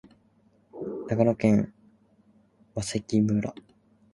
長野県麻績村